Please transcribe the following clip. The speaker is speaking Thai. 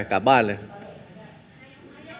กินก้าวไปแล้ว